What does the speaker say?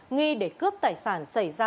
nghi để cướp tài sản xảy ra